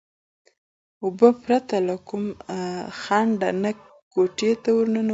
اوبه پرته له کوم خنډ نه کوټې ته ورننوتې.